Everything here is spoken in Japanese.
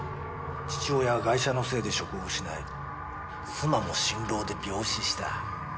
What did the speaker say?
父親はガイシャのせいで職を失い妻も心労で病死した。